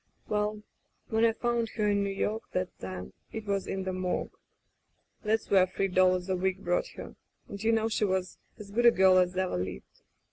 *'WeIl, when I found her in New York, that time, it was in the morgue. ... That's where three dollars a week brought her, and you know she was as good a girl as ever lived.